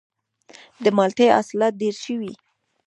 د مالټې حاصلات ډیر شوي؟